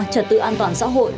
trật tự an toàn xã hội